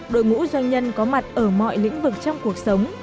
đội ngũ doanh nhân có mặt ở mọi lĩnh vực trong cuộc sống